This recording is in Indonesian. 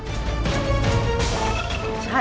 tidak bisa ya